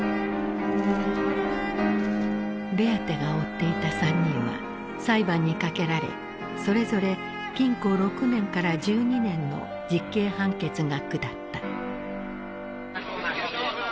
ベアテが追っていた３人は裁判にかけられそれぞれ禁錮６年から１２年の実刑判決が下った。